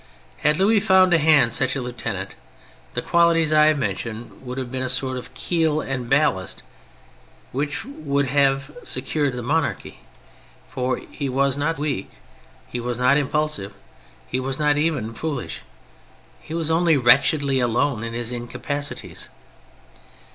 Had Louis found to hand such a lieutenant, the qualities I ,have mentioned would have been a sort of keel and ballast which w^ould have secured the monarchy, for he was not weak, he was not impulsive, he was not even foolish : he was only wretchedly alone in his incapaci ties.